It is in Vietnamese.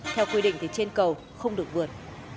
theo quy định thì trên cầu không được vượt